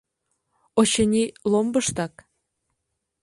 Очыни, ломбыштак!